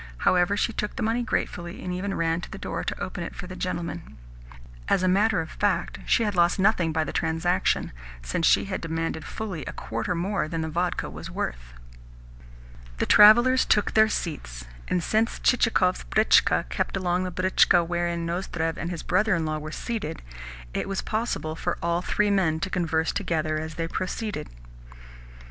However, she took the money gratefully, and even ran to the door to open it for the gentlemen. As a matter of fact, she had lost nothing by the transaction, since she had demanded fully a quarter more than the vodka was worth. The travellers then took their seats, and since Chichikov's britchka kept alongside the britchka wherein Nozdrev and his brother in law were seated, it was possible for all three men to converse together as they proceeded.